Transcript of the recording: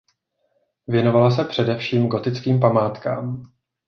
Věnovala se především gotickým památkám.